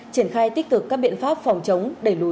triển khai tích cực các biện pháp phòng chống